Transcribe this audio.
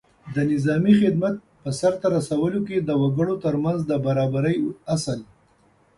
د نظامي خدمت په سرته رسولو کې د وګړو تر منځ د برابرۍ اصل